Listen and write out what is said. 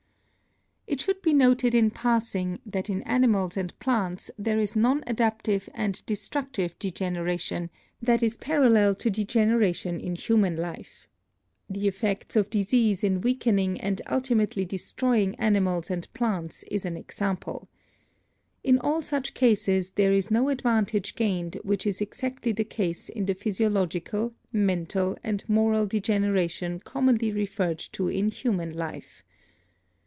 It should be noted in passing that in animals and plants there is non adaptive and destructive degeneration that is parallel to degeneration in human life. The effects of disease in weakening and ultimately destroying animals and plants is an example. In all such cases there is no advantage gained which is exactly the case in the physio logical, mental and moral degeneration commonly referred to in human life.